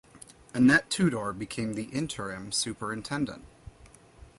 Annette Tudor became the interim superintendent.